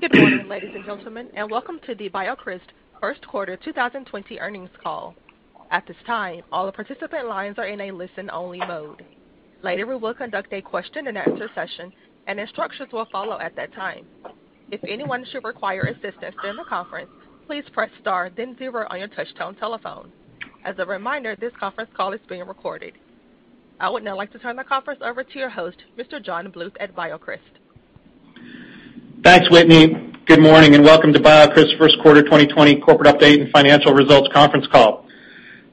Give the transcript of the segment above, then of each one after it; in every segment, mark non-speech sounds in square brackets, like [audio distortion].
Good morning, ladies and gentlemen, and welcome to the BioCryst first quarter 2020 earnings call. At this time, all the participant lines are in a listen-only mode. Later, we will conduct a question and answer session, and instructions will follow at that time. If anyone should require assistance during the conference, please press star then zero on your touchtone telephone. As a reminder, this conference call is being recorded. I would now like to turn the conference over to your host, Mr. John Bluth at BioCryst. Thanks, Whitney. Good morning and welcome to BioCryst's first quarter 2020 corporate update and financial results conference call.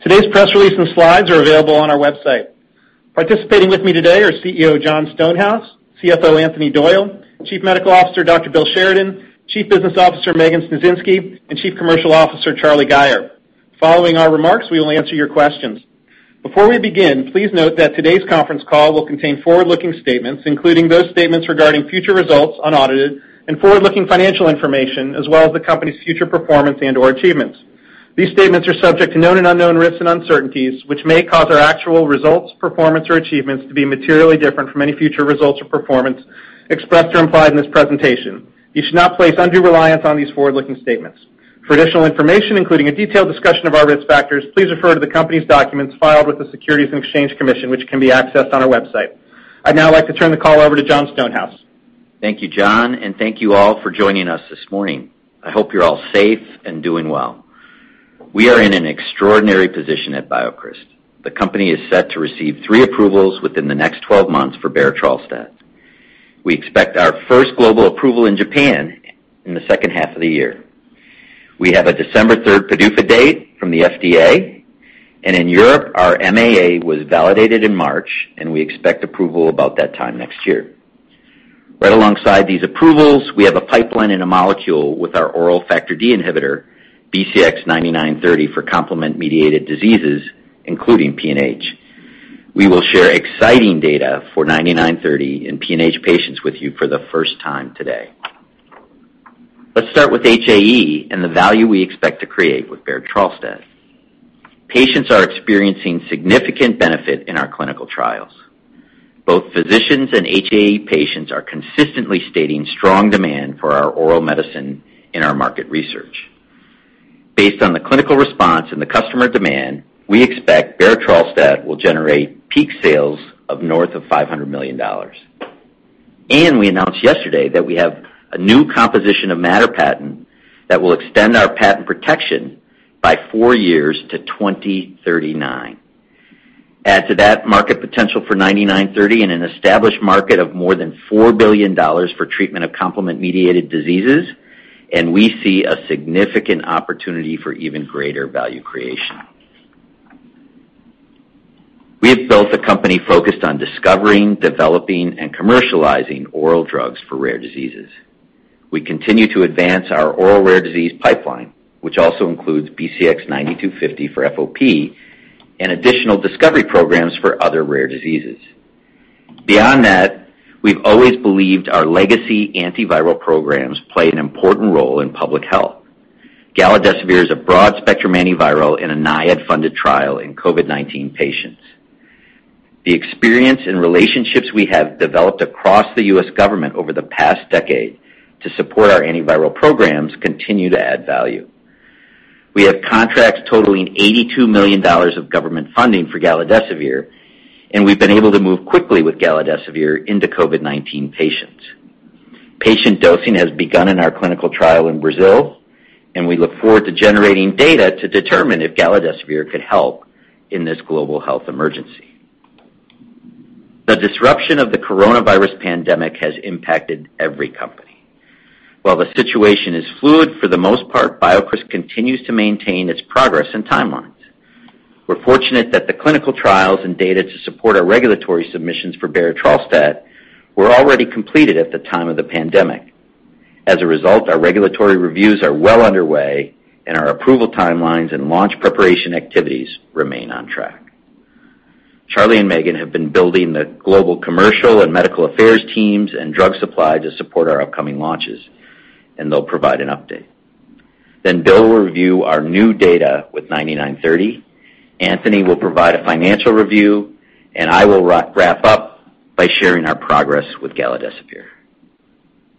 Today's press release and slides are available on our website. Participating with me today are CEO, Jon Stonehouse, CFO, Anthony Doyle, Chief Medical Officer, Dr. Bill Sheridan, Chief Business Officer, Megan Sniecinski, and Chief Commercial Officer, Charlie Gayer. Following our remarks, we will answer your questions. Before we begin, please note that today's conference call will contain forward-looking statements, including those statements regarding future results unaudited and forward-looking financial information, as well as the company's future performance and/or achievements. These statements are subject to known and unknown risks and uncertainties, which may cause our actual results, performance, or achievements to be materially different from any future results or performance expressed or implied in this presentation. You should not place undue reliance on these forward-looking statements. For additional information, including a detailed discussion of our risk factors, please refer to the company's documents filed with the Securities and Exchange Commission, which can be accessed on our website. I'd now like to turn the call over to Jon Stonehouse. Thank you, John. Thank you all for joining us this morning. I hope you're all safe and doing well. We are in an extraordinary position at BioCryst. The company is set to receive three approvals within the next 12 months for berotralstat. We expect our first global approval in Japan in the second half of the year. We have a December 3rd Prescription Drug User Fee Act date from the FDA. In Europe, our Marketing Authorization Application was validated in March, and we expect approval about that time next year. Right alongside these approvals, we have a pipeline and a molecule with our oral Factor D inhibitor, BCX9930, for complement-mediated diseases, including PNH. We will share exciting data for BCX9930 in Paroxysmal Nocturnal Hemoglobinuria patients with you for the first time today. Let's start with Hereditary Angioedema and the value we expect to create with berotralstat. Patients are experiencing significant benefit in our clinical trials. Both physicians and HAE patients are consistently stating strong demand for our oral medicine in our market research. Based on the clinical response and the customer demand, we expect berotralstat will generate peak sales of north of $500 million. We announced yesterday that we have a new composition of matter patent that will extend our patent protection by four years to 2039. Add to that market potential for BCX9930 in an established market of more than $4 billion for treatment of complement-mediated diseases, and we see a significant opportunity for even greater value creation. We have built a company focused on discovering, developing, and commercializing oral drugs for rare diseases. We continue to advance our oral rare disease pipeline, which also includes BCX9250 for FOP and additional discovery programs for other rare diseases. Beyond that, we've always believed our legacy antiviral programs play an important role in public health. Galidesivir is a broad-spectrum antiviral in a National Institute of Allergy and Infectious Diseases-funded trial in COVID-19 patients. The experience and relationships we have developed across the U.S. government over the past decade to support our antiviral programs continue to add value. We have contracts totaling $82 million of government funding for galidesivir. We've been able to move quickly with galidesivir into COVID-19 patients. Patient dosing has begun in our clinical trial in Brazil. We look forward to generating data to determine if galidesivir could help in this global health emergency. The disruption of the coronavirus pandemic has impacted every company. While the situation is fluid, for the most part, BioCryst continues to maintain its progress and timelines. We're fortunate that the clinical trials and data to support our regulatory submissions for berotralstat were already completed at the time of the pandemic. As a result, our regulatory reviews are well underway, and our approval timelines and launch preparation activities remain on track. Charlie and Megan have been building the global commercial and medical affairs teams and drug supply to support our upcoming launches, and they'll provide an update. Bill will review our new data with BCX9930. Anthony will provide a financial review, and I will wrap up by sharing our progress with galidesivir.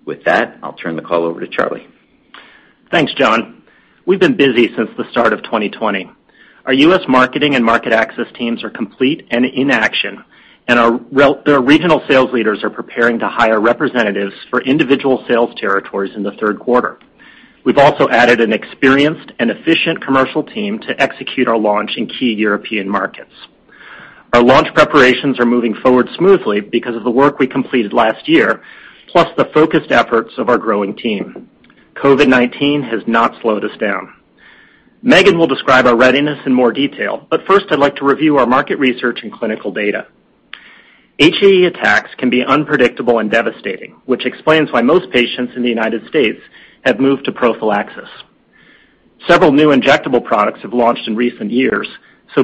With that, I'll turn the call over to Charlie Gayer. Thanks, John. We've been busy since the start of 2020. Our U.S. marketing and market access teams are complete and in action, and our regional sales leaders are preparing to hire representatives for individual sales territories in the third quarter. We've also added an experienced and efficient commercial team to execute our launch in key European markets. Our launch preparations are moving forward smoothly because of the work we completed last year, plus the focused efforts of our growing team. COVID-19 has not slowed us down. Megan will describe our readiness in more detail, but first, I'd like to review our market research and clinical data. HAE attacks can be unpredictable and devastating, which explains why most patients in the U.S. have moved to prophylaxis. Several new injectable products have launched in recent years,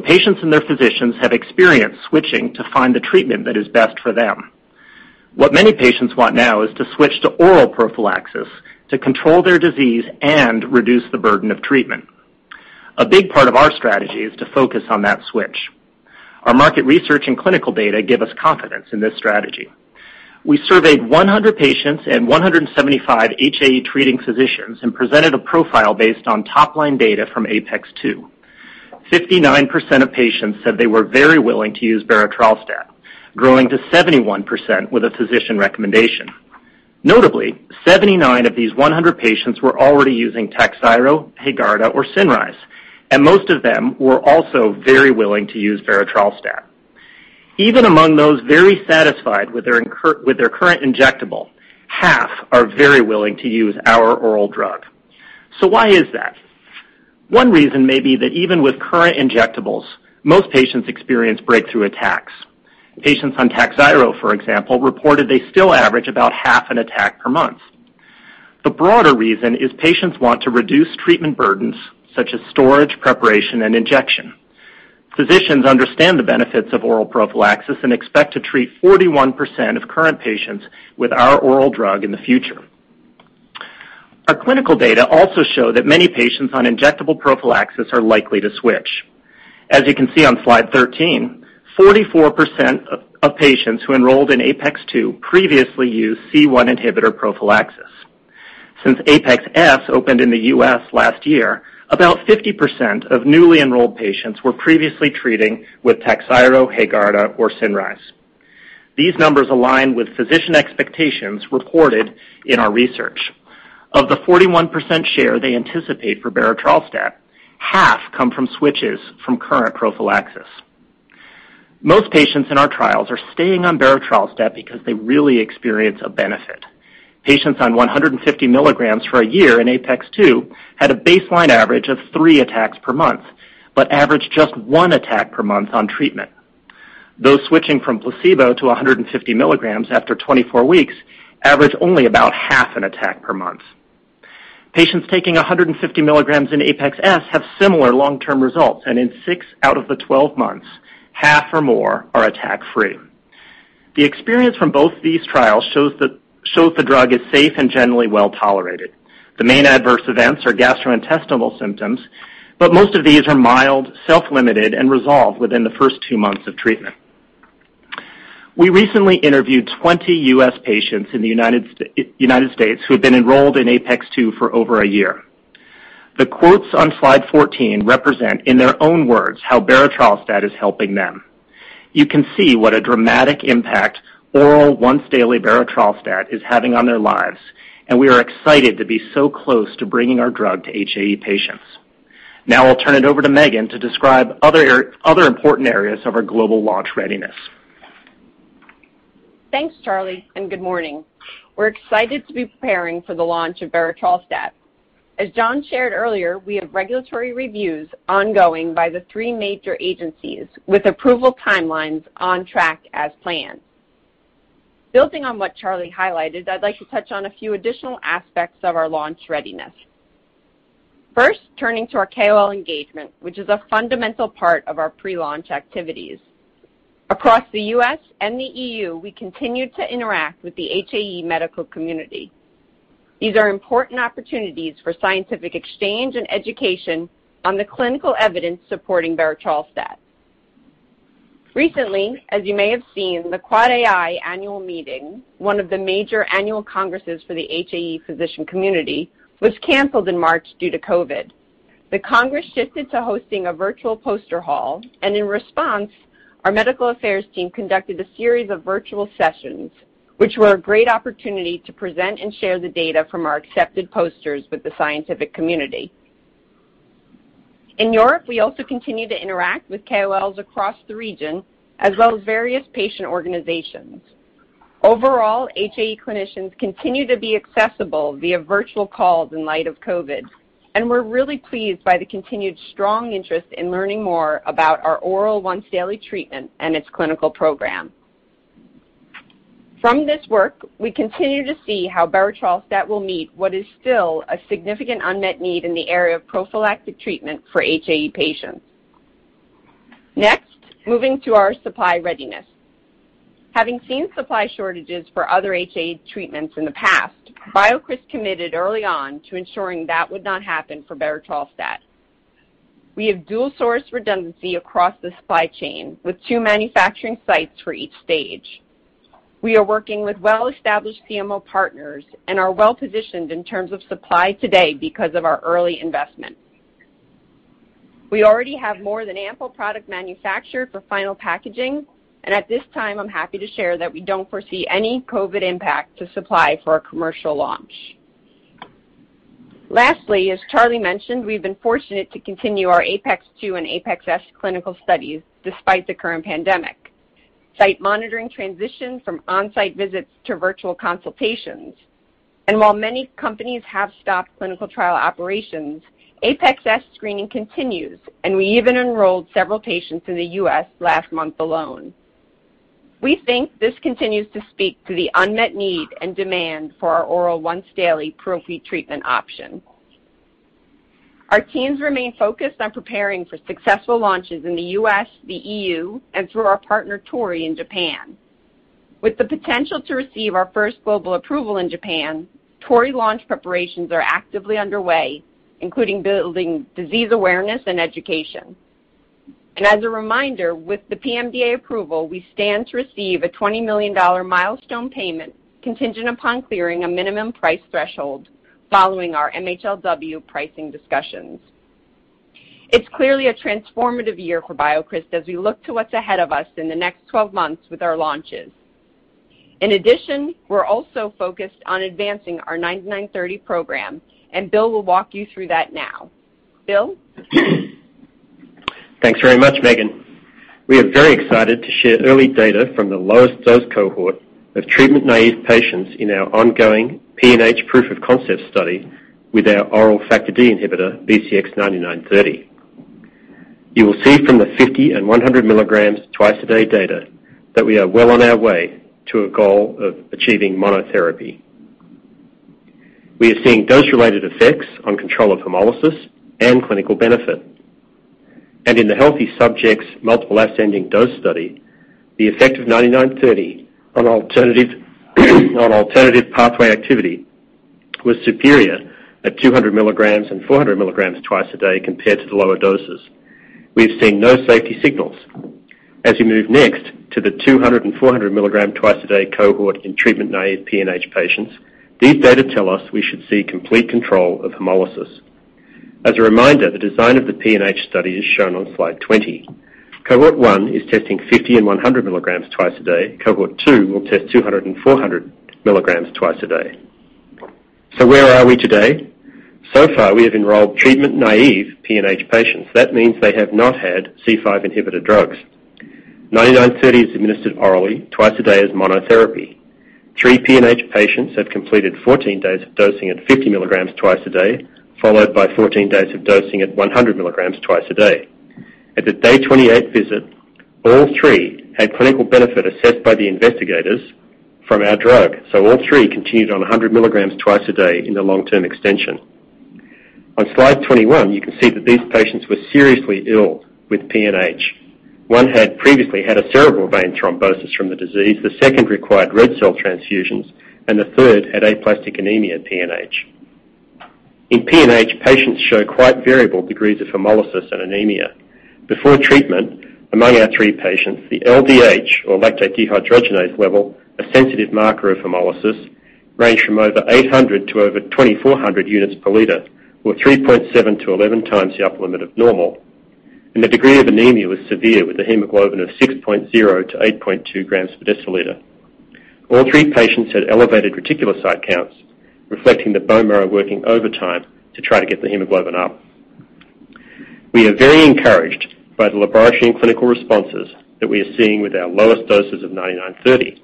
patients and their physicians have experienced switching to find the treatment that is best for them. What many patients want now is to switch to oral prophylaxis to control their disease and reduce the burden of treatment. A big part of our strategy is to focus on that switch. Our market research and clinical data give us confidence in this strategy. We surveyed 100 patients and 175 HAE-treating physicians and presented a profile based on top-line data from APeX-2. 59% of patients said they were very willing to use berotralstat, growing to 71% with a physician recommendation. Notably, 79 of these 100 patients were already using Takhzyro, Haegarda, or Cinryze, and most of them were also very willing to use berotralstat. Even among those very satisfied with their current injectable, half are very willing to use our oral drug. Why is that? One reason may be that even with current injectables, most patients experience breakthrough attacks. Patients on TAKHZYRO, for example, reported they still average about half an attack per month. The broader reason is patients want to reduce treatment burdens such as storage, preparation, and injection. Physicians understand the benefits of oral prophylaxis and expect to treat 41% of current patients with our oral drug in the future. Our clinical data also show that many patients on injectable prophylaxis are likely to switch. As you can see on slide 13, 44% of patients who enrolled in APeX-2 previously used C1 inhibitor prophylaxis. Since APeX-S opened in the U.S. last year, about 50% of newly enrolled patients were previously treating with TAKHZYRO, HAEGARDA, or Cinryze. These numbers align with physician expectations reported in our research. Of the 41% share they anticipate for berotralstat, half come from switches from current prophylaxis. Most patients in our trials are staying on berotralstat because they really experience a benefit. Patients on 150 mg for a year in APeX-2 had a baseline average of three attacks per month, but averaged just one attack per month on treatment. Those switching from placebo to 150 mg after 24 weeks averaged only about half an attack per month. Patients taking 150 mg in APeX-S have similar long-term results, and in six out of the 12 months, half or more are attack-free. The experience from both these trials shows the drug is safe and generally well-tolerated. The main adverse events are gastrointestinal symptoms, but most of these are mild, self-limited, and resolve within the first two months of treatment. We recently interviewed 20 U.S. patients in the United States who had been enrolled in APeX-2 for over a year. The quotes on slide 14 represent, in their own words, how berotralstat is helping them. You can see what a dramatic impact oral once-daily berotralstat is having on their lives, and we are excited to be so close to bringing our drug to HAE patients. Now I'll turn it over to Megan Sniecinski to describe other important areas of our global launch readiness. Thanks, Charlie. Good morning. We're excited to be preparing for the launch of berotralstat. As Jon shared earlier, we have regulatory reviews ongoing by the three major agencies, with approval timelines on track as planned. Building on what Charlie highlighted, I'd like to touch on a few additional aspects of our launch readiness. First, turning to our key opinion leader engagement, which is a fundamental part of our pre-launch activities. Across the U.S. and the EU, we continue to interact with the HAE medical community. These are important opportunities for scientific exchange and education on the clinical evidence supporting berotralstat. Recently, as you may have seen, the CHAEN annual meeting, one of the major annual congresses for the HAE physician community, was canceled in March due to COVID. The Congress shifted to hosting a virtual poster hall. In response, our medical affairs team conducted a series of virtual sessions, which were a great opportunity to present and share the data from our accepted posters with the scientific community. In Europe, we also continue to interact with KOLs across the region, as well as various patient organizations. Overall, HAE clinicians continue to be accessible via virtual calls in light of COVID. We're really pleased by the continued strong interest in learning more about our oral once-daily treatment and its clinical program. From this work, we continue to see how berotralstat will meet what is still a significant unmet need in the area of prophylactic treatment for HAE patients. Moving to our supply readiness. Having seen supply shortages for other HAE treatments in the past, BioCryst committed early on to ensuring that would not happen for berotralstat. We have dual-source redundancy across the supply chain, with two manufacturing sites for each stage. We are working with well-established CMO partners and are well-positioned in terms of supply today because of our early investment. We already have more than ample product manufactured for final packaging, and at this time, I'm happy to share that we don't foresee any COVID impact to supply for our commercial launch. As Charlie mentioned, we've been fortunate to continue our APeX-2 and APeX-S clinical studies despite the current pandemic. Site monitoring transitioned from on-site visits to virtual consultations. While many companies have stopped clinical trial operations, APeX-S screening continues, and we even enrolled several patients in the U.S. last month alone. We think this continues to speak to the unmet need and demand for our oral once-daily prophy treatment option. Our teams remain focused on preparing for successful launches in the U.S., the EU, and through our partner Torii in Japan. With the potential to receive our first global approval in Japan, Torii launch preparations are actively underway, including building disease awareness and education. As a reminder, with the Pharmaceuticals and Medical Devices Agency approval, we stand to receive a $20 million milestone payment contingent upon clearing a minimum price threshold following our Ministry of Health, Labour and Welfare pricing discussions. It's clearly a transformative year for BioCryst as we look to what's ahead of us in the next 12 months with our launches. In addition, we're also focused on advancing our BCX9930 program, and Bill will walk you through that now. Bill Sheridan? Thanks very much, Megan. We are very excited to share early data from the lowest dose cohort of treatment-naïve patients in our ongoing PNH proof of concept study with our oral Factor D inhibitor, BCX9930. You will see from the 50 mg and 100 mg twice a day data that we are well on our way to a goal of achieving monotherapy. We are seeing dose-related effects on control of hemolysis and clinical benefit. In the healthy subjects' multiple ascending dose study, the effect of BCX9930 on alternative pathway activity was superior at 200 mg and 400 mg twice a day compared to the lower doses. We have seen no safety signals. As we move next to the 200 mg and 400 mg twice a day cohort in treatment-naïve PNH patients, these data tell us we should see complete control of hemolysis. As a reminder, the design of the PNH study is shown on slide 20. Cohort 1 is testing 50 mg and 100 mg twice a day. Cohort 2 will test 200 mg and 400 mg twice a day. Where are we today? Far, we have enrolled treatment-naïve PNH patients. That means they have not had C5 inhibitor drugs. BCX9930 is administered orally twice a day as monotherapy. Three PNH patients have completed 14 days of dosing at 50 mg twice a day, followed by 14 days of dosing at 100 mg twice a day. At the day 28 visit, all three had clinical benefit assessed by the investigators from our drug. All three continued on 100 mg twice a day in the long-term extension. On slide 21, you can see that these patients were seriously ill with PNH. One had previously had a cerebral vein thrombosis from the disease, the second required red cell transfusions, and the third had aplastic anemia PNH. In PNH, patients show quite variable degrees of hemolysis and anemia. Before treatment, among our three patients, the LDH, or lactate dehydrogenase level, a sensitive marker of hemolysis, ranged from over 800-2,400 units per liter, or 3.7x-11x the upper limit of normal. The degree of anemia was severe, with a hemoglobin of 6.0 g-8.2 g per deciliter. All three patients had elevated reticulocyte counts, reflecting the bone marrow working overtime to try to get the hemoglobin up. We are very encouraged by the laboratory and clinical responses that we are seeing with our lowest doses of BCX9930.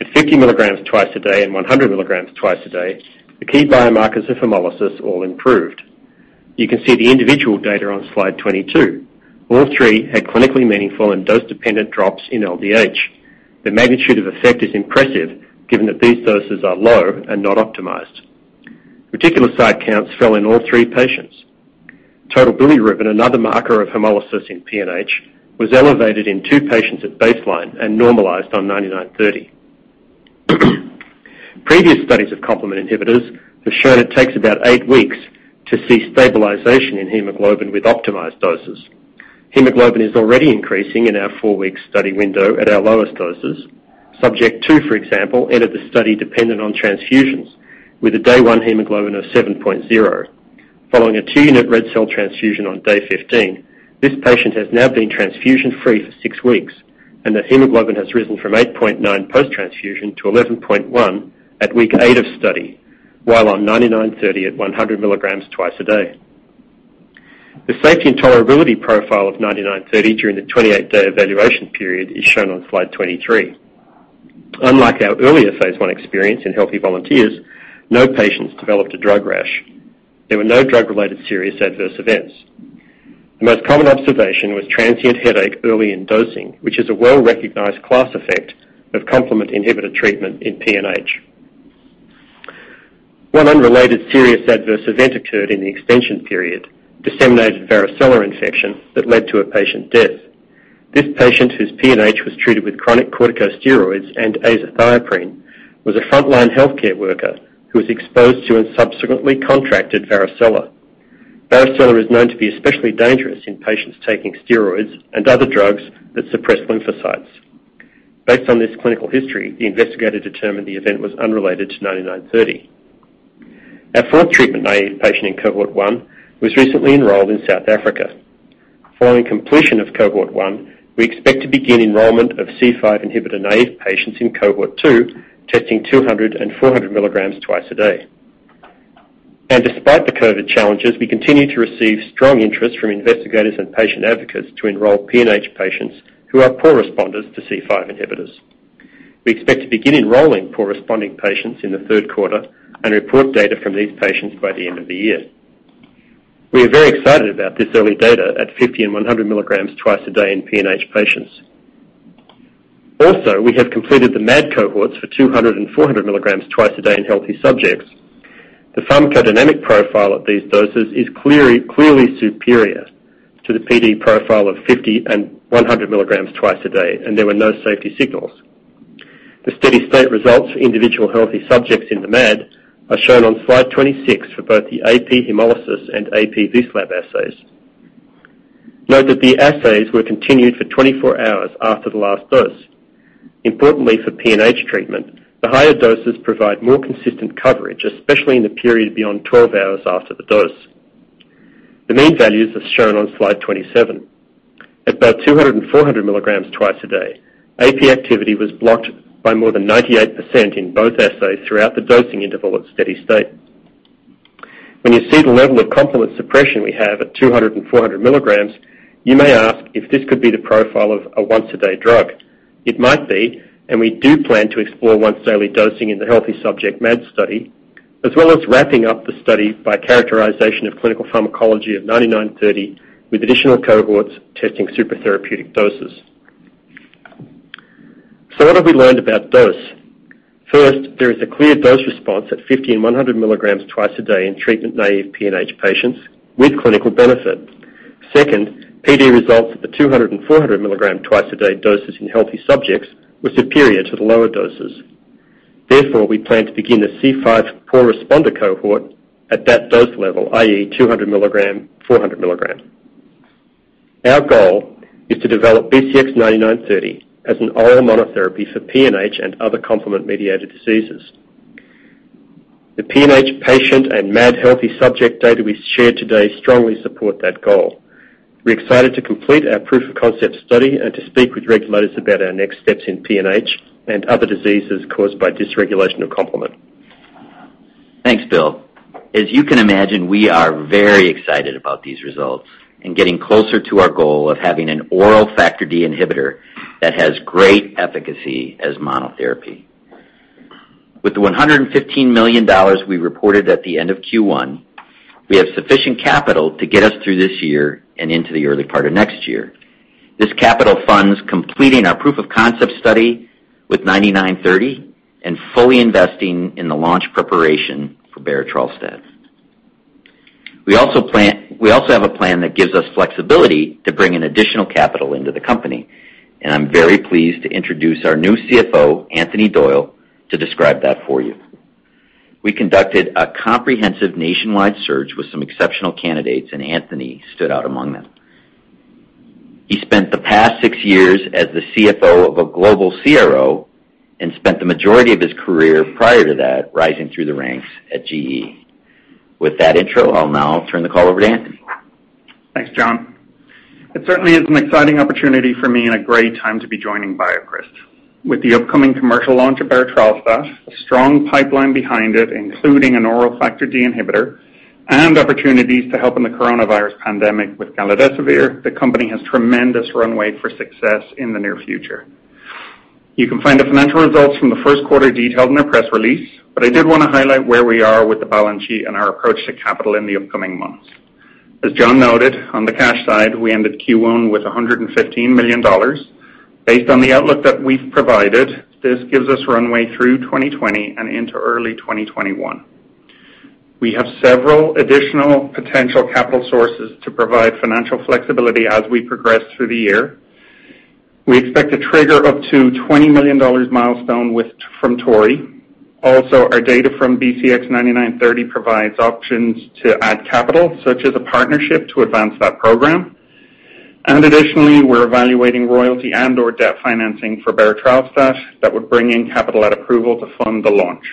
At 50 milligrams twice a day and 100 mg twice a day, the key biomarkers of hemolysis all improved. You can see the individual data on slide 22. All three had clinically meaningful and dose-dependent drops in LDH. The magnitude of effect is impressive, given that these doses are low and not optimized. Reticulocyte counts fell in all three patients. Total bilirubin, another marker of hemolysis in PNH, was elevated in two patients at baseline and normalized on BCX9930. Previous studies of complement inhibitors have shown it takes about eight weeks to see stabilization in hemoglobin with optimized doses. Hemoglobin is already increasing in our four-week study window at our lowest doses. Subject two, for example, entered the study dependent on transfusions, with a day one hemoglobin of 7.0. Following a two-unit red cell transfusion on day 15, this patient has now been transfusion-free for six weeks, and their hemoglobin has risen from 8.9 post-transfusion to 11.1 at week eight of study, while on BCX9930 at 100 mg twice a day. The safety and tolerability profile of BCX9930 during the 28-day evaluation period is shown on slide 23. Unlike our earlier phase I experience in healthy volunteers, no patients developed a drug rash. There were no drug-related serious adverse events. The most common observation was transient headache early in dosing, which is a well-recognized class effect of complement inhibitor treatment in PNH. One unrelated serious adverse event occurred in the extension period, disseminated varicella infection that led to a patient death. This patient, whose PNH was treated with chronic corticosteroids and azathioprine, was a frontline healthcare worker who was exposed to and subsequently contracted varicella. Varicella is known to be especially dangerous in patients taking steroids and other drugs that suppress lymphocytes. Based on this clinical history, the investigator determined the event was unrelated to BCX9930. Our fourth treatment-naïve patient in Cohort 1 was recently enrolled in South Africa. Following completion of Cohort 1, we expect to begin enrollment of C5 inhibitor-naïve patients in Cohort 2, testing 200 mg and 400 mg twice a day. Despite the COVID-19 challenges, we continue to receive strong interest from investigators and patient advocates to enroll PNH patients who are poor responders to C5 inhibitors. We expect to begin enrolling poor-responding patients in the third quarter and report data from these patients by the end of the year. We are very excited about this early data at 50 mg and 100 mg twice a day in PNH patients. We have completed the MAD cohorts for 200 mg and 400 mg twice a day in healthy subjects. The pharmacodynamic profile of these doses is clearly superior to the PD profile of 50 mg and 100 mg twice a day, and there were no safety signals. The steady-state results for individual healthy subjects in the MAD are shown on slide 26 for both the AP hemolysis and AP Wieslab assays. Note that the assays were continued for 24 hours after the last dose. Importantly for PNH treatment, the higher doses provide more consistent coverage, especially in the period beyond 12 hours after the dose. The mean values are shown on slide 27. At both 200 mg and 400 mg twice a day, AP activity was blocked by more than 98% in both assays throughout the dosing interval at steady state. When you see the level of complement suppression we have at 200 mg and 400 mg, you may ask if this could be the profile of a once-a-day drug. It might be, we do plan to explore once-daily dosing in the healthy subject MAD study, as well as wrapping up the study by characterization of clinical pharmacology of BCX9930 with additional cohorts testing super therapeutic doses. What have we learned about dose? First, there is a clear dose response at 50 mg and 100 mg twice a day in treatment-naive PNH patients with clinical benefit. Second, PD results at the 200 mg and 400 mg twice-a-day doses in healthy subjects were superior to the lower doses. Therefore, we plan to begin the C5 poor responder cohort at that dose level, i.e., 200 mg, 400 mg. Our goal is to develop BCX9930 as an oral monotherapy for PNH and other complement-mediated diseases. The PNH patient and MAD healthy subject data we've shared today strongly support that goal. We're excited to complete our proof-of-concept study and to speak with regulators about our next steps in PNH and other diseases caused by dysregulation of complement. Thanks, Bill. As you can imagine, we are very excited about these results and getting closer to our goal of having an oral Factor D inhibitor that has great efficacy as monotherapy. With the $115 million we reported at the end of Q1, we have sufficient capital to get us through this year and into the early part of next year. This capital funds completing our proof-of-concept study with BCX9930 and fully investing in the launch preparation for berotralstat. We also have a plan that gives us flexibility to bring in additional capital into the company, and I'm very pleased to introduce our new CFO, Anthony Doyle, to describe that for you. We conducted a comprehensive nationwide search with some exceptional candidates, and Anthony stood out among them. He spent the past six years as the CFO of a global CRO and spent the majority of his career prior to that rising through the ranks at GE. With that intro, I'll now turn the call over to Anthony Doyle. Thanks, Jon. It certainly is an exciting opportunity for me and a great time to be joining BioCryst. With the upcoming commercial launch of berotralstat, a strong pipeline behind it, including an oral Factor D inhibitor, and opportunities to help in the coronavirus pandemic with galidesivir, the company has tremendous runway for success in the near future. You can find the financial results from the first quarter detailed in our press release, but I did want to highlight where we are with the balance sheet and our approach to capital in the upcoming months. As Jon noted, on the cash side, we ended Q1 with $115 million. Based on the outlook that we've provided, this gives us runway through 2020 and into early 2021. We have several additional potential capital sources to provide financial flexibility as we progress through the year. We expect to trigger up to $20 million milestone from Torii. Our data from BCX9930 provides options to add capital, such as a partnership to advance that program. Additionally, we're evaluating royalty and/or debt financing for berotralstat that would bring in capital at approval to fund the launch.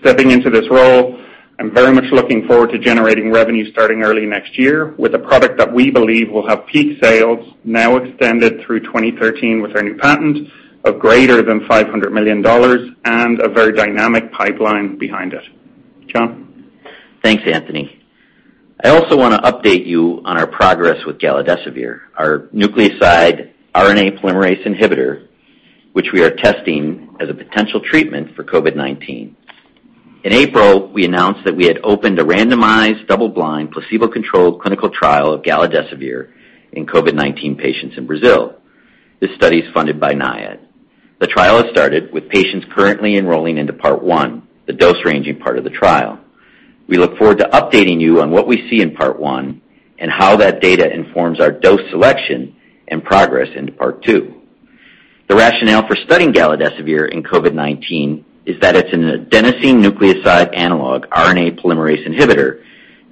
Stepping into this role, I'm very much looking forward to generating revenue starting early next year with a product that we believe will have peak sales now extended through 2030 with our new patent of greater than $500 million and a very dynamic pipeline behind it. Jon? Thanks, Anthony. I also want to update you on our progress with galidesivir, our nucleoside ribonucleic acid polymerase inhibitor, which we are testing as a potential treatment for COVID-19. In April, we announced that we had opened a randomized, double-blind, placebo-controlled clinical trial of galidesivir in COVID-19 patients in Brazil. This study is funded by NIAID. The trial has started with patients currently enrolling into part one, the dose-ranging part of the trial. We look forward to updating you on what we see in part one and how that data informs our dose selection and progress into part two. The rationale for studying galidesivir in COVID-19 is that it's an adenosine nucleoside analog RNA polymerase inhibitor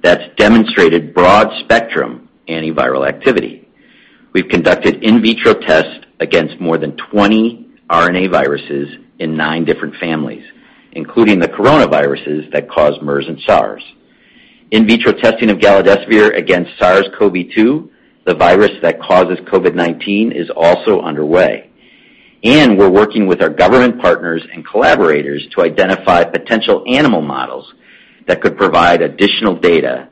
that's demonstrated broad-spectrum antiviral activity. We've conducted in vitro tests against more than 20 RNA viruses in nine different families, including the coronaviruses that cause MERS and SARS. In vitro testing of galidesivir against SARS-CoV-2, the virus that causes COVID-19, is also underway. We're working with our government partners and collaborators to identify potential animal models that could provide additional data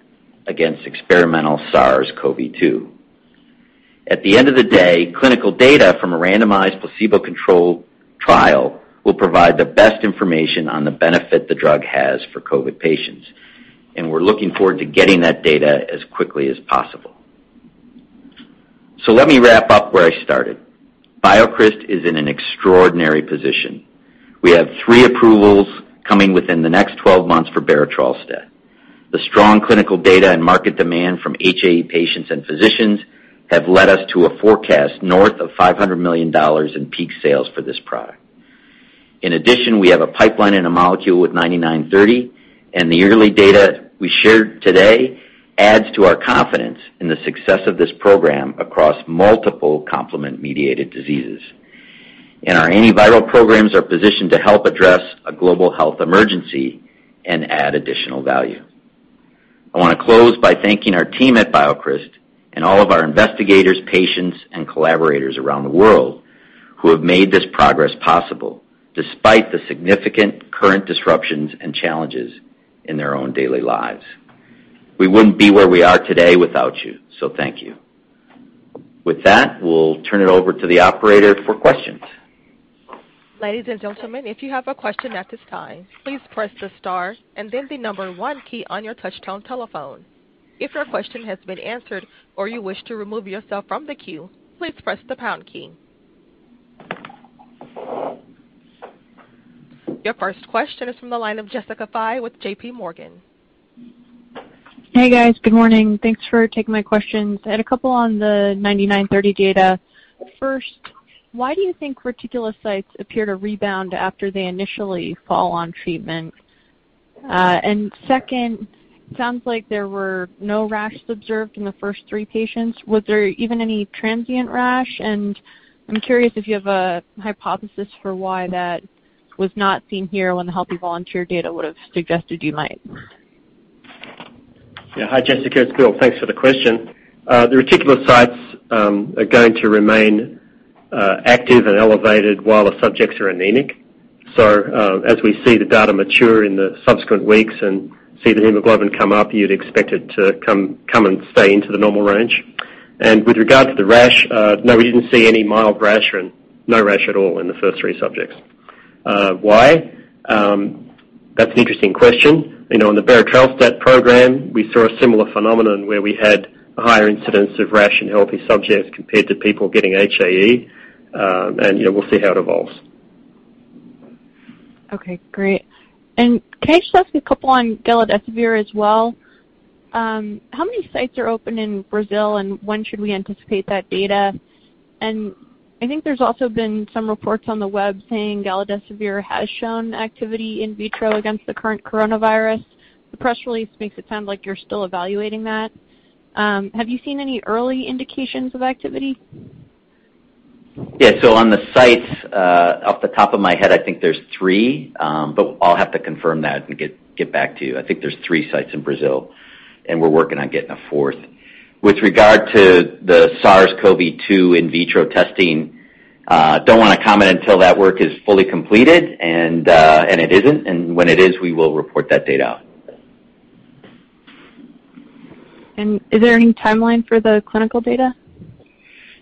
against experimental SARS-CoV-2. At the end of the day, clinical data from a randomized placebo-controlled trial will provide the best information on the benefit the drug has for COVID patients, and we're looking forward to getting that data as quickly as possible. Let me wrap up where I started. BioCryst is in an extraordinary position. We have three approvals coming within the next 12 months for berotralstat. The strong clinical data and market demand from HAE patients and physicians have led us to a forecast north of $500 million in peak sales for this product. In addition, we have a pipeline and a molecule with 9930, and the early data we shared today adds to our confidence in the success of this program across multiple complement-mediated diseases. Our antiviral programs are positioned to help address a global health emergency and add additional value. I want to close by thanking our team at BioCryst and all of our investigators, patients, and collaborators around the world who have made this progress possible despite the significant current disruptions and challenges in their own daily lives. We wouldn't be where we are today without you, so thank you. With that, we'll turn it over to the operator for questions. Ladies and gentlemen, if you have a question at this time, please press the star and then the number one key on your touchtone telephone. If your question has been answered or you wish to remove yourself from the queue, please press the pound key. Your first question is from the line of Jessica Fye with JPMorgan. Hey, guys. Good morning. Thanks for taking my questions. I had a couple on the BCX9930 data. First, why do you think reticulocytes appear to rebound after they initially fall on treatment? Second, sounds like there were no rashes observed in the first three patients. Was there even any transient rash? I'm curious if you have a hypothesis for why that was not seen here when the healthy volunteer data would've suggested you might. Hi, Jessica. It's Bill. Thanks for the question. The reticulocytes are going to remain active and elevated while the subjects are anemic. As we see the data mature in the subsequent weeks and see the hemoglobin come up, you'd expect it to come and stay into the normal range. With regard to the rash, no, we didn't see any mild rash, or no rash at all in the first three subjects. Why? That's an interesting question. In the berotralstat program, we saw a similar phenomenon where we had a higher incidence of rash in healthy subjects compared to people getting HAE. We'll see how it evolves. Okay, great. Can I just ask you a couple on galidesivir as well? How many sites are open in Brazil, and when should we anticipate that data? I think there's also been some reports on the web saying galidesivir has shown activity in vitro against the current coronavirus. The press release makes it sound like you're still evaluating that. Have you seen any early indications of activity? Yeah. On the sites, off the top of my head, I think there's three. I'll have to confirm that and get back to you. I think there's three sites in Brazil, and we're working on getting a fourth. With regard to the SARS-CoV-2 in vitro testing, don't want to comment until that work is fully completed, and it isn't. When it is, we will report that data out. Is there any timeline for the clinical data?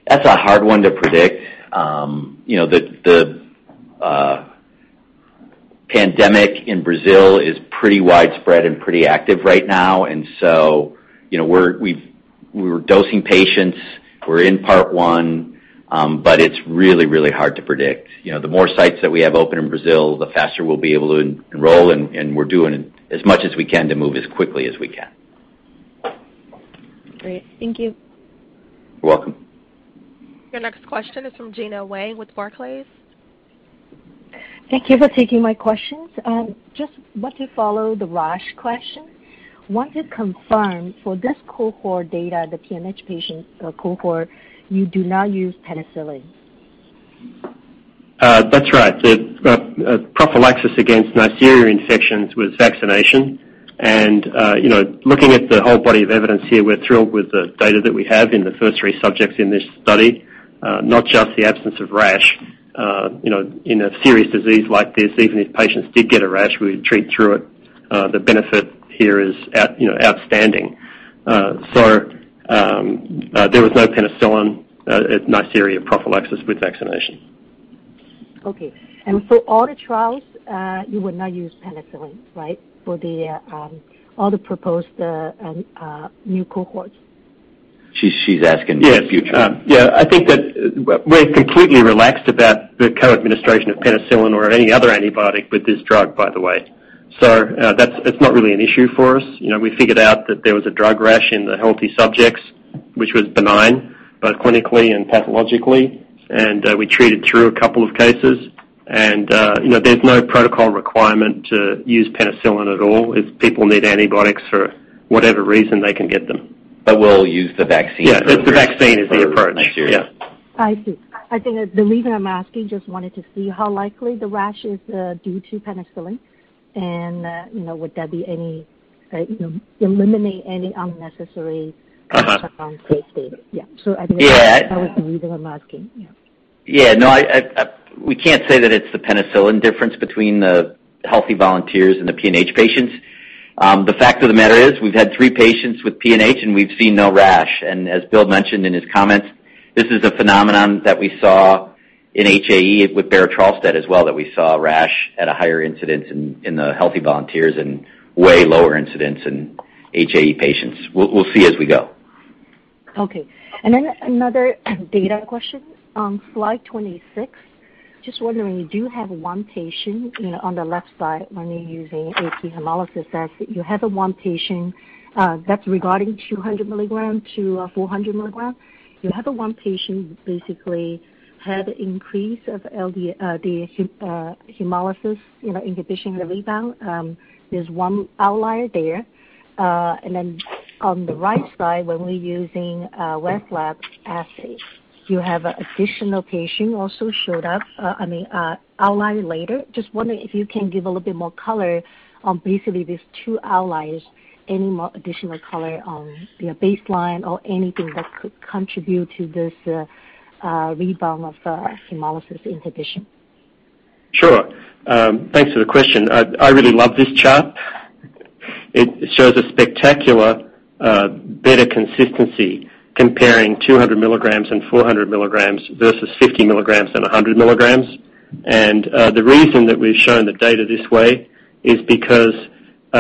That's a hard one to predict. The pandemic in Brazil is pretty widespread and pretty active right now. We're dosing patients, we're in part one, but it's really, really hard to predict. The more sites that we have open in Brazil, the faster we'll be able to enroll, and we're doing as much as we can to move as quickly as we can. Great. Thank you. You're welcome. Your next question is from Gena Wang with Barclays. Thank you for taking my questions. Just want to follow the rash question. Want to confirm, for this cohort data, the PNH patient cohort, you do not use penicillin? That's right. Prophylaxis against Neisseria infections was vaccination. Looking at the whole body of evidence here, we're thrilled with the data that we have in the first three subjects in this study, not just the absence of rash. In a serious disease like this, even if patients did get a rash, we would treat through it. The benefit here is outstanding. There was no penicillin. Neisseria prophylaxis with vaccination. Okay. For all the trials, you would not use penicillin, right? For all the proposed new cohorts. She's asking about the future. Yeah. I think that we're completely relaxed about the co-administration of penicillin or any other antibiotic with this drug, by the way. That's not really an issue for us. We figured out that there was a drug rash in the healthy subjects, which was benign, both clinically and pathologically, and we treated through a couple of cases. There's no protocol requirement to use penicillin at all. If people need antibiotics for whatever reason, they can get them. We'll use the vaccine. Yeah. The vaccine is the approach. For Neisseria. I see. I think the reason I'm asking, just wanted to see how likely the rash is due to penicillin and and with that, eliminate unnecessary [audio distortion] safety. Yeah. Yeah. That was the reason I'm asking. Yeah. Yeah, no. We can't say that it's the penicillin difference between the healthy volunteers and the PNH patients. The fact of the matter is, we've had three patients with PNH, and we've seen no rash. As Bill mentioned in his comments, this is a phenomenon that we saw in HAE with berotralstat as well, that we saw rash at a higher incidence in the healthy volunteers and way lower incidence in HAE patients. We'll see as we go. Okay. Another data question. On slide 26, just wondering, you do have one patient on the left side when you're using alternative pathway hemolysis assay. You have one patient that's regarding 200 mg-400 mg. You have one patient who basically had increase of the hemolysis inhibition, the rebound. There's one outlier there. On the right side, when we're using Wieslab's assay, you have additional patient also showed up, I mean, outlier later. Just wondering if you can give a little bit more color on basically these two outliers, any more additional color on their baseline or anything that could contribute to this rebound of the hemolysis inhibition. Sure. Thanks for the question. I really love this chart. It shows a spectacular, better consistency comparing 200 mg and 400 mg versus 50 mg and 100 mg. The reason that we've shown the data this way is because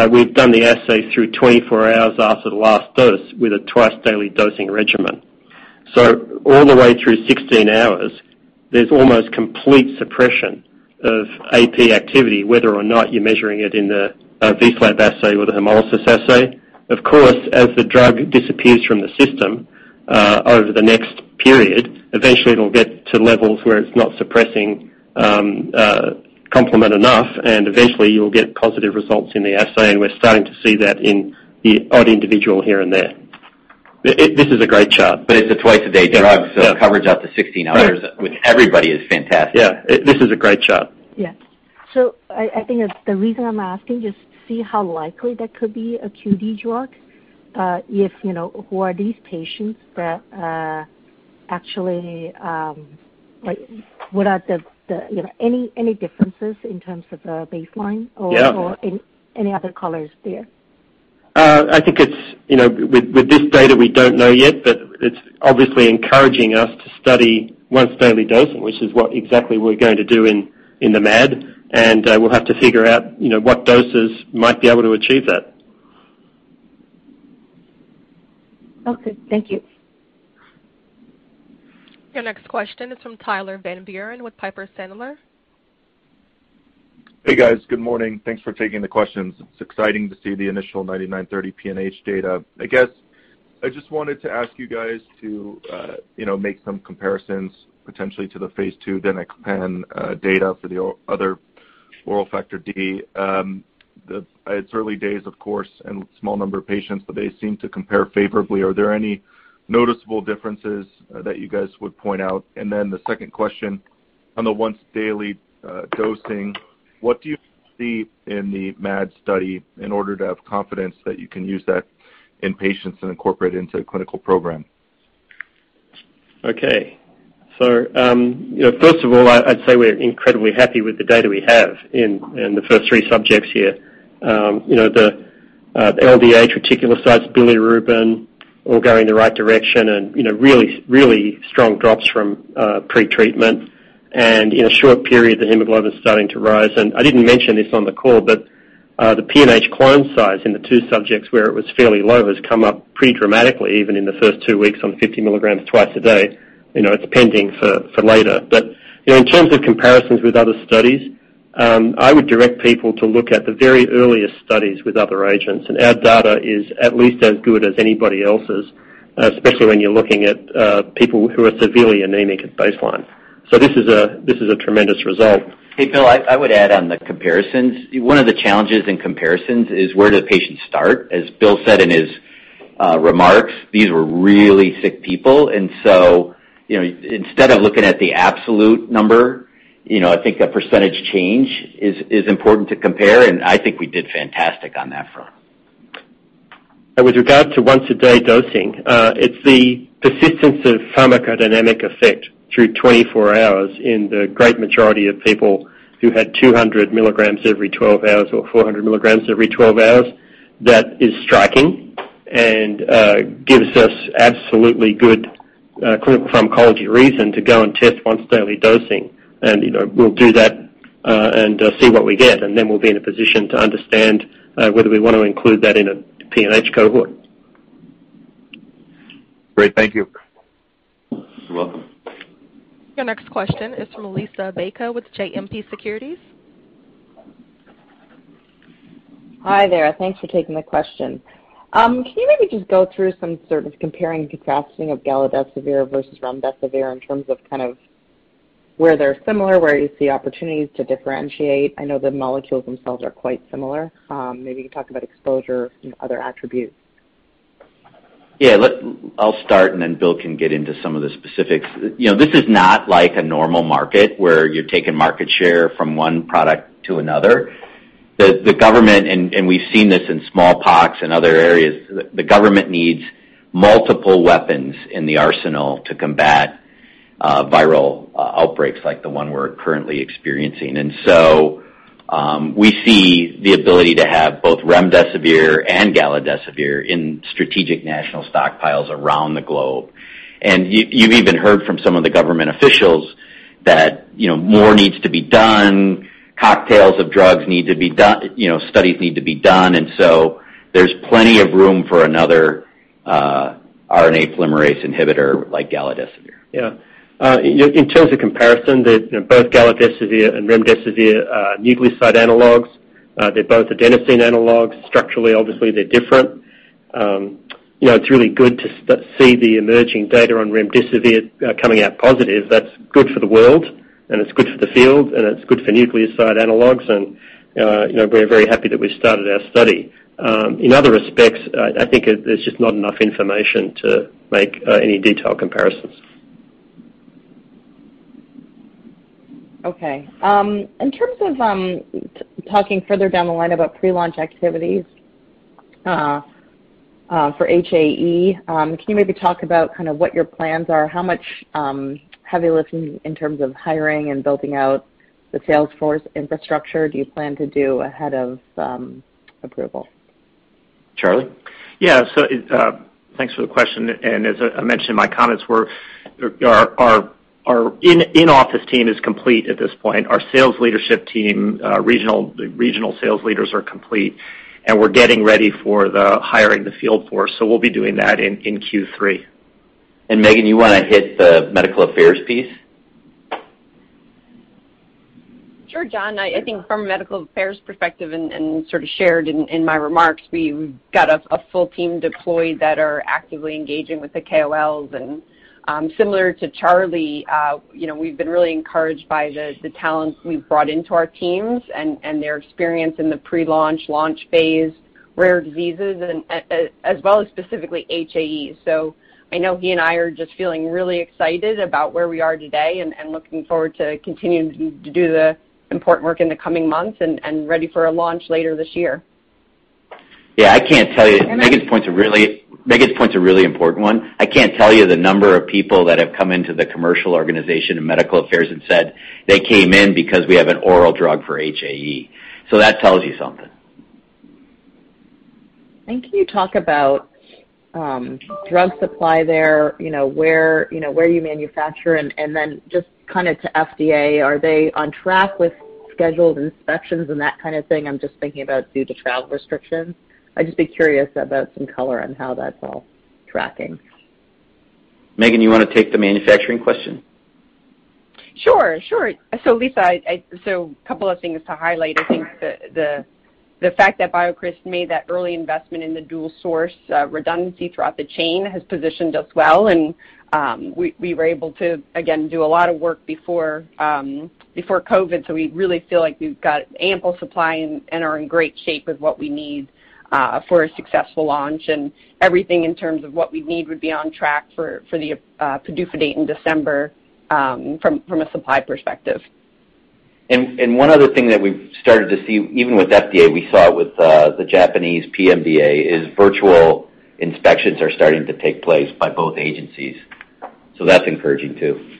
we've done the assay through 24 hours after the last dose with a twice-daily dosing regimen. All the way through 16 hours, there's almost complete suppression of AP activity, whether or not you're measuring it in the Wieslab assay or the hemolysis assay. Of course, as the drug disappears from the system, over the next period, eventually it'll get to levels where it's not suppressing complement enough, eventually you'll get positive results in the assay, we're starting to see that in the odd individual here and there. This is a great chart. It's a twice-a-day drug, so coverage up to 16 hours with everybody is fantastic. Yeah. This is a great chart. Yeah. I think the reason I'm asking, just see how likely that could be a QD drug. Who are these patients that actually? Any differences in terms of the baseline or. [crosstalk] Yeah. Any other colors there? With this data, we don't know yet, but it's obviously encouraging us to study once-daily dosing, which is what exactly we're going to do in the MAD. We'll have to figure out what doses might be able to achieve that. Okay. Thank you. Your next question is from Tyler Van Buren with Piper Sandler. Hey, guys. Good morning. Thanks for taking the questions. It's exciting to see the initial 9930 PNH data. I guess I just wanted to ask you guys to make some comparisons, potentially to the phase II danicopan data for the other oral Factor D. It's early days, of course, and small number of patients, but they seem to compare favorably. Are there any noticeable differences that you guys would point out? The second question, on the once-daily dosing, what do you see in the MAD study in order to have confidence that you can use that in patients and incorporate into a clinical program? First of all, I'd say we're incredibly happy with the data we have in the first three subjects here. The LDH, reticulocytes, bilirubin, all going in the right direction and really strong drops from pre-treatment. In a short period, the hemoglobin is starting to rise. I didn't mention this on the call, the PNH clone size in the two subjects where it was fairly low has come up pretty dramatically, even in the first two weeks on 50 mg twice a day. It's pending for later. In terms of comparisons with other studies, I would direct people to look at the very earliest studies with other agents. Our data is at least as good as anybody else's, especially when you're looking at people who are severely anemic at baseline. This is a tremendous result. Hey, Bill, I would add on the comparisons. One of the challenges in comparisons is where do the patients start? As Bill said in his remarks, these were really sick people. Instead of looking at the absolute number, I think a percentage change is important to compare, and I think we did fantastic on that front. With regard to once-a-day dosing, it's the persistence of pharmacodynamic effect through 24 hours in the great majority of people who had 200 mg every 12 hours or 400 mg every 12 hours that is striking and gives us absolutely good clinical pharmacology reason to go and test once-daily dosing. We'll do that and see what we get, and then we'll be in a position to understand whether we want to include that in a PNH cohort. Great. Thank you. You're welcome. Your next question is from Liisa Bayko with JMP Securities. Hi there. Thanks for taking the question. Can you maybe just go through some sort of comparing and contrasting of galidesivir versus remdesivir in terms of where they're similar, where you see opportunities to differentiate? I know the molecules themselves are quite similar. Maybe you can talk about exposure and other attributes. Yeah. I'll start, and then Bill can get into some of the specifics. This is not like a normal market where you're taking market share from one product to another. The government, and we've seen this in smallpox and other areas, the government needs multiple weapons in the arsenal to combat viral outbreaks like the one we're currently experiencing. We see the ability to have both remdesivir and galidesivir in strategic national stockpiles around the globe. You've even heard from some of the government officials that more needs to be done, cocktails of drugs need to be done, studies need to be done, so there's plenty of room for another RNA polymerase inhibitor like galidesivir. Yeah. In terms of comparison, both galidesivir and remdesivir are nucleoside analogs. They're both adenosine analogs. Structurally, obviously, they're different. It's really good to see the emerging data on remdesivir coming out positive. That's good for the world, and it's good for the field, and it's good for nucleoside analogs, and we're very happy that we started our study. In other respects, I think there's just not enough information to make any detailed comparisons. Okay. In terms of talking further down the line about pre-launch activities for HAE, can you maybe talk about what your plans are? How much heavy lifting in terms of hiring and building out the sales force infrastructure do you plan to do ahead of approval? Charlie? Yeah. Thanks for the question. As I mentioned in my comments, our in-office team is complete at this point. Our sales leadership team, regional sales leaders are complete, and we're getting ready for the hiring the field force. We'll be doing that in Q3. Megan, you want to hit the medical affairs piece? Sure, Jon. I think from a medical affairs perspective and sort of shared in my remarks, we've got a full team deployed that are actively engaging with the KOLs. Similar to Charlie, we've been really encouraged by the talents we've brought into our teams and their experience in the pre-launch, launch phase, rare diseases, as well as specifically HAE. I know he and I are just feeling really excited about where we are today and looking forward to continuing to do the important work in the coming months and ready for a launch later this year. Yeah, I can't tell you Megan's point's a really important one. I can't tell you the number of people that have come into the commercial organization and medical affairs and said they came in because we have an oral drug for HAE. That tells you something. Can you talk about drug supply there, where you manufacture, and then just to FDA, are they on track with scheduled inspections and that kind of thing? I'm just thinking about due to travel restrictions. I'd just be curious about some color on how that's all tracking. Megan, you want to take the manufacturing question? Sure. Liisa, a couple of things to highlight. I think the fact that BioCryst made that early investment in the dual source redundancy throughout the chain has positioned us well, and we were able to, again, do a lot of work before COVID. We really feel like we've got ample supply and are in great shape with what we need for a successful launch. Everything in terms of what we'd need would be on track for the PDUFA date in December from a supply perspective. One other thing that we've started to see, even with FDA, we saw it with the Japanese PMDA, is virtual inspections are starting to take place by both agencies. That's encouraging, too.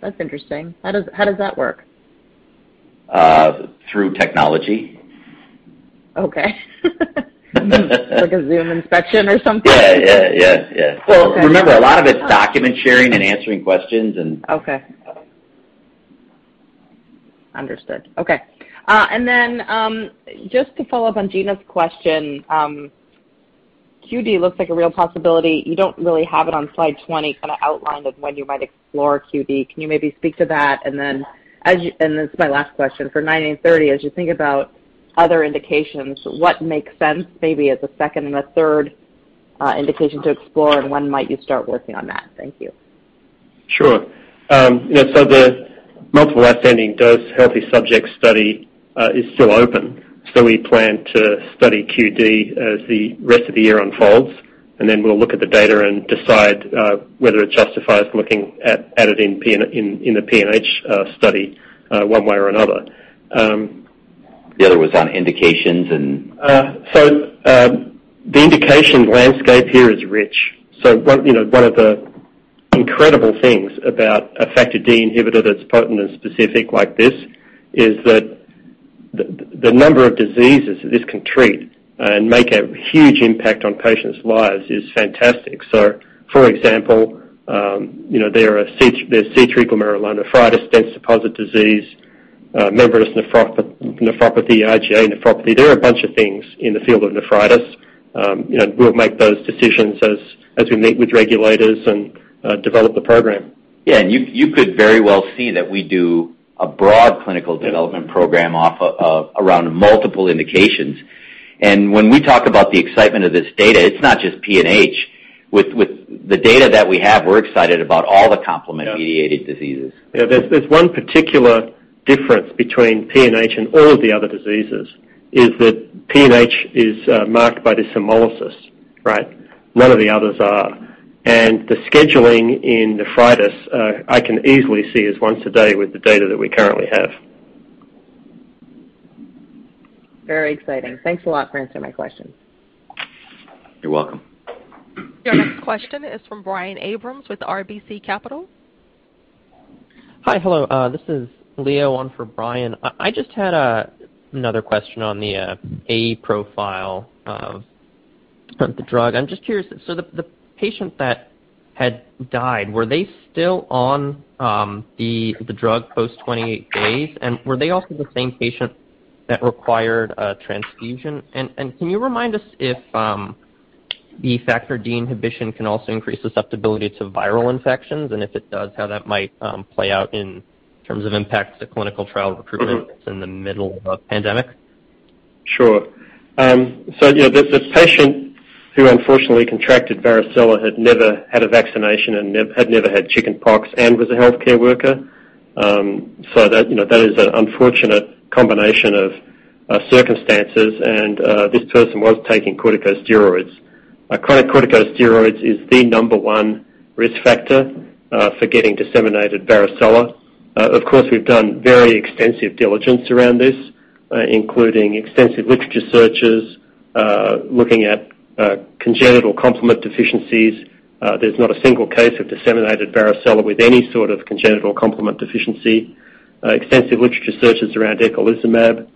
That's interesting. How does that work? Through technology. Okay. Like a Zoom inspection or something? Yeah. Okay. Well, remember, a lot of it's document sharing and answering questions. Okay. Understood. Okay. Just to follow up on Gena's question, QD looks like a real possibility. You don't really have it on slide 20 outlined of when you might explore QD. Can you maybe speak to that? This is my last question. For BCX9930, as you think about other indications, what makes sense maybe as a second and a third indication to explore, and when might you start working on that? Thank you. Sure. The multiple ascending dose healthy subject study is still open. We plan to study QD as the rest of the year unfolds, and then we'll look at the data and decide whether it justifies looking at it in the PNH study one way or another. The other was on indications and. [crosstalk] The indication landscape here is rich. One of the incredible things about a Factor D inhibitor that's potent and specific like this is that the number of diseases that this can treat and make a huge impact on patients' lives is fantastic. For example there's C3 glomerulonephritis, dense deposit disease, membranous nephropathy, IgA nephropathy. There are a bunch of things in the field of nephritis. We'll make those decisions as we meet with regulators and develop the program. Yeah, you could very well see that we do a broad clinical development program around multiple indications. When we talk about the excitement of this data, it's not just PNH. With the data that we have, we're excited about all the complement-mediated diseases. Yeah. There's one particular difference between PNH and all of the other diseases is that PNH is marked by this hemolysis. Right? None of the others are. The scheduling in nephritis, I can easily see is once a day with the data that we currently have. Very exciting. Thanks a lot for answering my question. You're welcome. Your next question is from Brian Abrahams with RBC Capital. Hi. Hello, this is Leo Timashev on for Brian. I just had another question on the AP profile of the drug. I'm just curious, the patient that had died, were they still on the drug post 28 days? Were they also the same patient that required a transfusion? Can you remind us if the Factor D inhibition can also increase susceptibility to viral infections? If it does, how that might play out in terms of impacts to clinical trial recruitment in the middle of a pandemic? Sure. The patient who unfortunately contracted varicella had never had a vaccination and had never had chickenpox and was a healthcare worker. That is an unfortunate combination of circumstances. This person was taking corticosteroids. Chronic corticosteroids is the number one risk factor for getting disseminated varicella. Of course, we've done very extensive diligence around this, including extensive literature searches, looking at congenital complement deficiencies. There is not a single case of disseminated varicella with any sort of congenital complement deficiency. Extensive literature searches around eculizumab.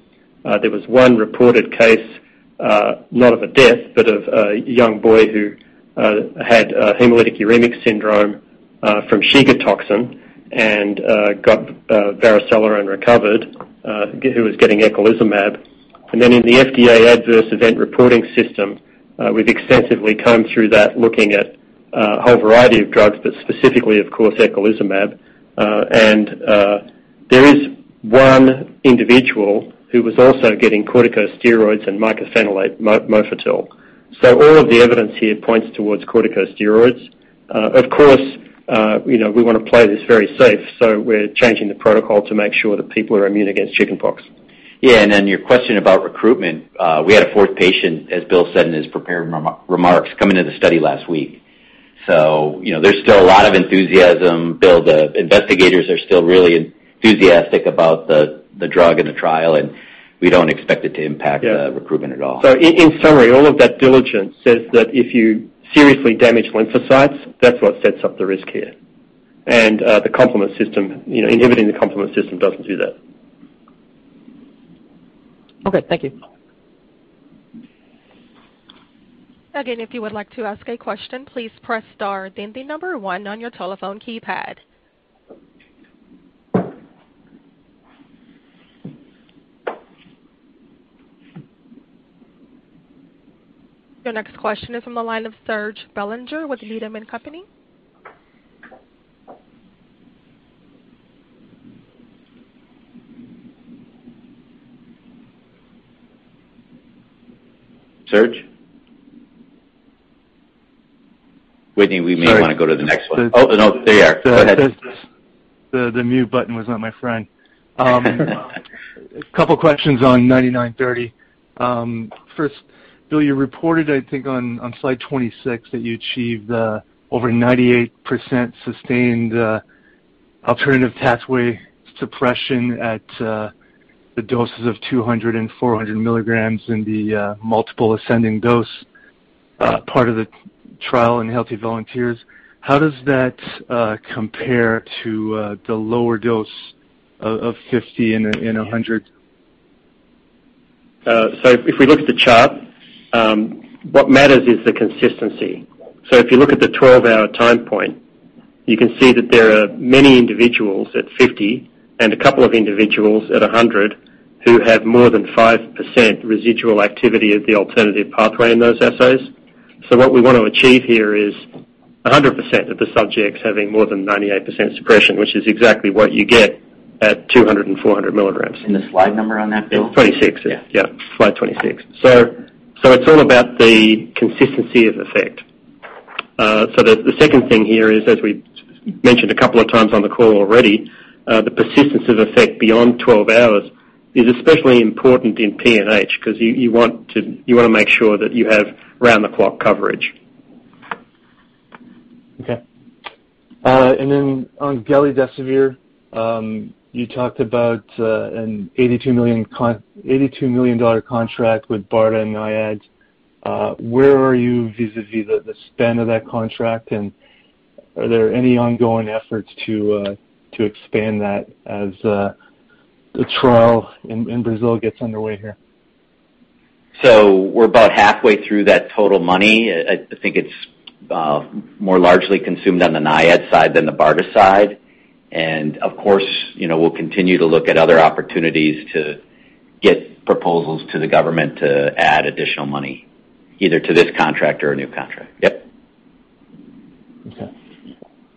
There was one reported case, not of a death, but of a young boy who had hemolytic uremic syndrome from Shiga toxin and got varicella and recovered, who was getting eculizumab. In the FDA adverse event reporting system, we've extensively combed through that looking at a whole variety of drugs, but specifically, of course, eculizumab. There is one individual who was also getting corticosteroids and mycophenolate mofetil. All of the evidence here points towards corticosteroids. Of course, we want to play this very safe, so we're changing the protocol to make sure that people are immune against chickenpox. Yeah, your question about recruitment, we had a fourth patient, as Bill said in his prepared remarks, come into the study last week. There's still a lot of enthusiasm, Bill. The investigators are still really enthusiastic about the drug and the trial, and we don't expect it to impact [crosstalk] the recruitment at all. In summary, all of that diligence says that if you seriously damage lymphocytes, that's what sets up the risk here. The complement system, inhibiting the complement system doesn't do that. Okay, thank you. If you would like to ask a question, please press star then the number one on your telephone keypad. Your next question is on the line of Serge Belanger with Needham & Company. Serge? Whitney, we may want to go to the next one. Oh, no, there you are. Go ahead. The mute button was not my friend. A couple questions on BCX9930. First, Bill, you reported, I think on slide 26, that you achieved over 98% sustained alternative pathway suppression at the doses of 200 mg and 400 mg in the multiple ascending dose part of the trial in healthy volunteers. How does that compare to the lower dose of 50 mg and 100 mg? If we look at the chart, what matters is the consistency. If you look at the 12-hour time point, you can see that there are many individuals at 50 mg and a couple of individuals at 100 mg who have more than 5% residual activity of the Alternative Pathway in those assays. What we want to achieve here is 100% of the subjects having more than 98% suppression, which is exactly what you get at 200 mg and 400 mg. The slide number on that, Bill? It's 26. Yeah. Slide 26. It's all about the consistency of effect. The second thing here is, as we mentioned a couple of times on the call already, the persistence of effect beyond 12 hours is especially important in PNH because you want to make sure that you have round-the-clock coverage. Okay. On galidesivir, you talked about an $82 million contract with BARDA and NIAID. Where are you vis-à-vis the spend of that contract, and are there any ongoing efforts to expand that as the trial in Brazil gets underway here? We're about halfway through that total money. I think it's more largely consumed on the NIAID side than the BARDA side. Of course, we'll continue to look at other opportunities to get proposals to the government to add additional money, either to this contract or a new contract. Yep. Okay.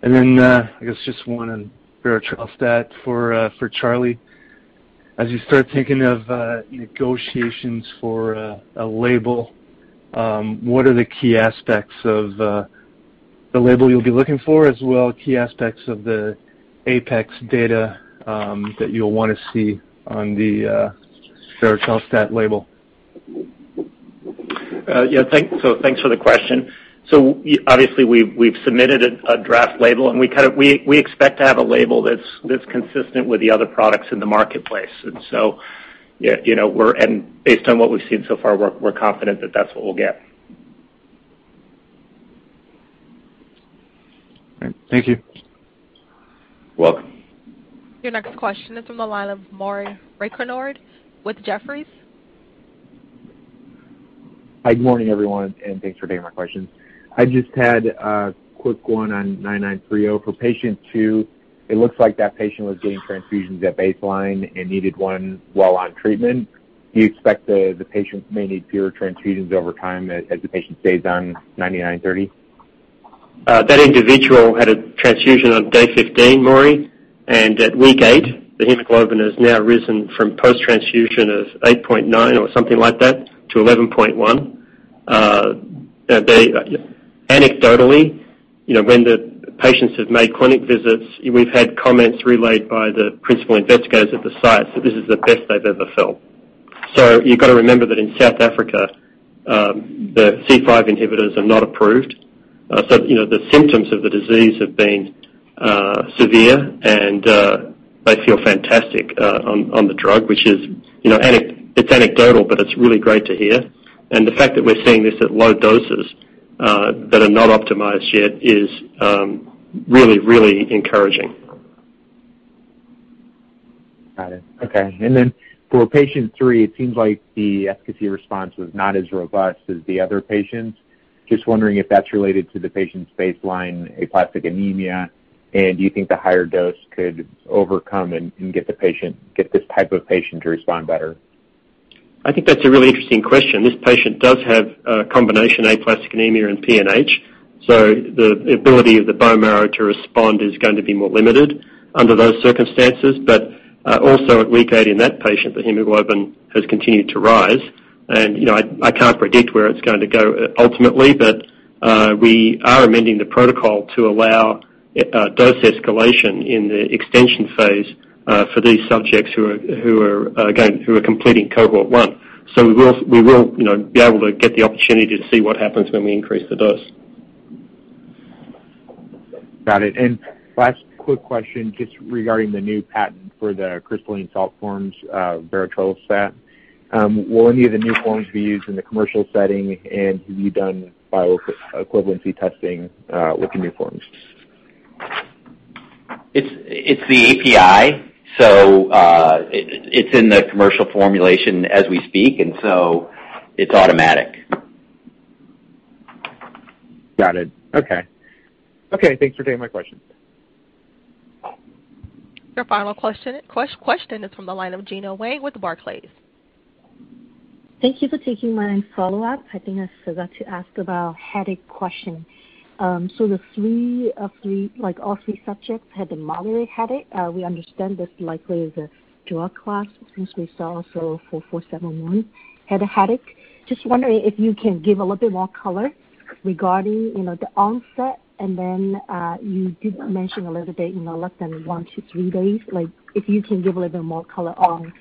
I guess just one on berotralstat for Charlie. As you start thinking of negotiations for a label, what are the key aspects of the label you'll be looking for, as well key aspects of the APeX data that you'll want to see on the berotralstat label? Thanks for the question. Obviously we've submitted a draft label, and we expect to have a label that's consistent with the other products in the marketplace. Based on what we've seen so far, we're confident that that's what we'll get. All right. Thank you. Welcome. Your next question is from the line of Maury Raycroft with Jefferies. Hi, good morning, everyone. Thanks for taking my questions. I just had a quick one on BCX9930 for patient two. It looks like that patient was getting transfusions at baseline and needed one while on treatment. Do you expect the patient may need fewer transfusions over time as the patient stays on BCX9930? That individual had a transfusion on day 15, Maury, at week eight, the hemoglobin has now risen from post-transfusion of 8.9 or something like that to 11.1. Anecdotally, when the patients have made clinic visits, we've had comments relayed by the principal investigators at the site that this is the best they've ever felt. You've got to remember that in South Africa, the C5 inhibitors are not approved. The symptoms of the disease have been severe, and they feel fantastic on the drug. It's anecdotal, but it's really great to hear. The fact that we're seeing this at low doses that are not optimized yet is really encouraging. Got it. Okay. For patient three, it seems like the efficacy response was not as robust as the other patients. Just wondering if that's related to the patient's baseline aplastic anemia, and do you think the higher dose could overcome and get this type of patient to respond better? I think that's a really interesting question. This patient does have a combination aplastic anemia and PNH. The ability of the bone marrow to respond is going to be more limited under those circumstances. Also at week eight in that patient, the hemoglobin has continued to rise. I can't predict where it's going to go ultimately, but we are amending the protocol to allow dose escalation in the extension phase for these subjects who are completing Cohort 1. We will be able to get the opportunity to see what happens when we increase the dose. Got it. Last quick question, just regarding the new patent for the crystalline salt forms of berotralstat. Will any of the new forms be used in the commercial setting? Have you done bioequivalency testing with the new forms? It's the active pharmaceutical ingredient, so it's in the commercial formulation as we speak, and so it's automatic. Got it. Okay. Thanks for taking my questions. Your final question is from the line of Gena Wang with Barclays. Thank you for taking my follow-up. I think I forgot to ask about headache question. All three subjects had the moderate headache. We understand this likely is a drug class since we saw also ACH-4471 had a headache. Just wondering if you can give a little bit more color regarding the onset, and then you did mention a little bit less than one to three days. If you can give a little bit more color on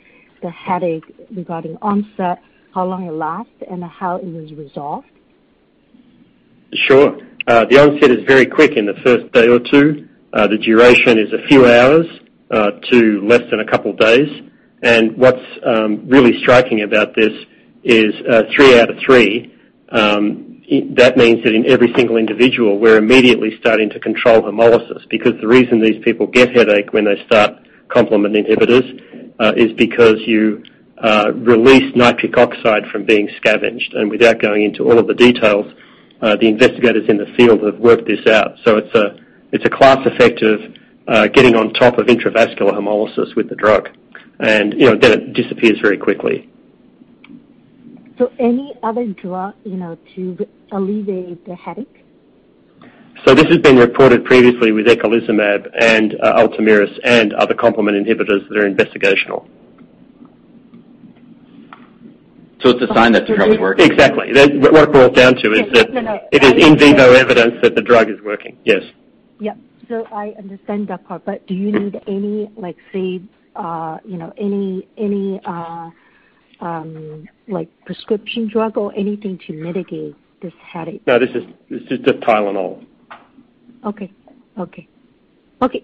the headache regarding onset, how long it lasts, and how it was resolved. Sure. The onset is very quick in the first day or two. The duration is a few hours to less than a couple of days. What's really striking about this is three out of three. That means that in every single individual, we're immediately starting to control hemolysis, because the reason these people get headache when they start complement inhibitors is because you release nitric oxide from being scavenged. Without going into all of the details, the investigators in the field have worked this out. It's a class effect of getting on top of intravascular hemolysis with the drug. Then it disappears very quickly. Any other drug to alleviate the headache? This has been reported previously with eculizumab and ULTOMIRIS and other complement inhibitors that are investigational. It's a sign that the drug's working. Exactly. What it boils down to is that it is in vivo evidence that the drug is working. Yes. Yeah. I understand that part, but do you need any prescription drug or anything to mitigate this headache? No, this is just Tylenol. Okay.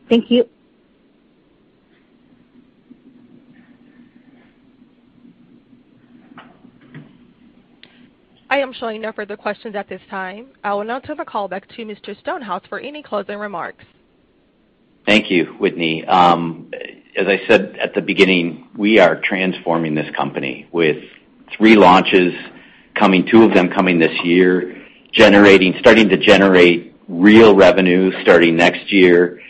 Thank you. I am showing no further questions at this time. I will now turn the call back to Mr. Stonehouse for any closing remarks. Thank you, Whitney. As I said at the beginning, we are transforming this company with three launches, two of them coming this year, starting to generate real revenue starting next year.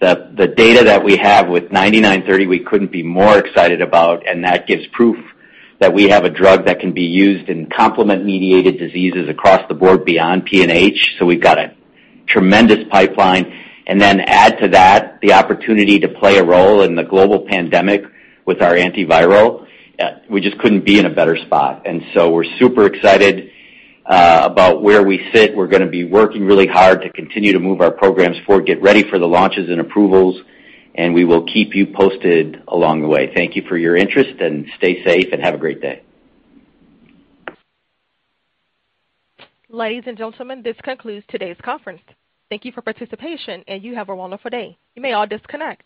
The data that we have with BCX9930 we couldn't be more excited about, and that gives proof that we have a drug that can be used in complement-mediated diseases across the board beyond PNH. We've got a tremendous pipeline, and then add to that the opportunity to play a role in the global pandemic with our antiviral. We just couldn't be in a better spot. We're super excited about where we sit. We're going to be working really hard to continue to move our programs forward, get ready for the launches and approvals, and we will keep you posted along the way. Thank you for your interest, and stay safe and have a great day. Ladies and gentlemen, this concludes today's conference. Thank you for participation, and you have a wonderful day. You may all disconnect.